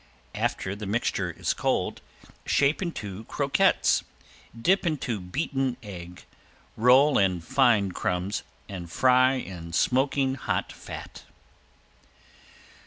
After the mixture is cold, shape into croquettes, dip into beaten egg, roll in fine crumbs and fry in smoking hot fat.